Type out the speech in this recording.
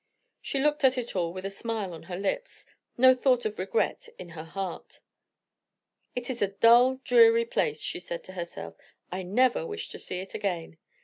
She looked at it all with a smile on her lips; no thought of regret in her heart. "It is a dull, dreary place," she said to herself; "I never wish to see it again."